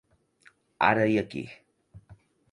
Ara i aquí.